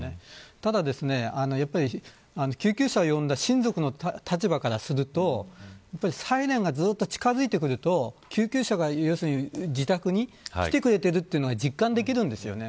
ただ、やはり救急車を呼んだ親族の立場からするとサイレンがずっと近づいてくると救急車が自宅に来てくれてるというのを実感できます。